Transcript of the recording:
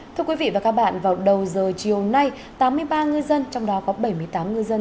thưa quý vị và các bạn vào đầu giờ chiều nay tám mươi ba ngư dân trong đó có bảy mươi tám ngư dân